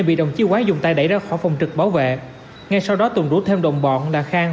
vì đồng chí quán dùng tay đẩy ra khỏi phòng trực bảo vệ ngay sau đó tùng rút thêm đồn bọn là khang